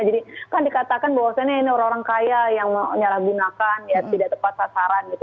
jadi kan dikatakan bahwa ini orang orang kaya yang menyalahgunakan ya tidak tepat sasaran gitu